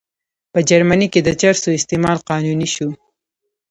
په جرمني کې د چرسو استعمال قانوني شو.